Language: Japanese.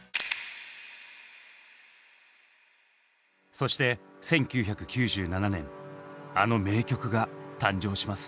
そして１９９７年あの名曲が誕生します。